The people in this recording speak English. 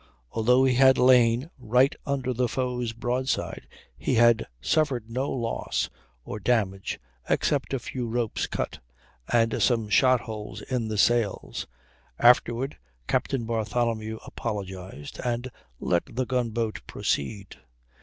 Although he had lain right under the foe's broadside, he had suffered no loss or damage except a few ropes cut, and some shot holes in the sails. Afterward Captain Bartholomew apologized, and let the gunboat proceed.